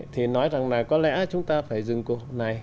thì nói rằng là có lẽ chúng ta phải dừng cuộc này